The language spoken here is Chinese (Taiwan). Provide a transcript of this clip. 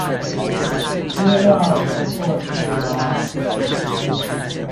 資料有過去嗎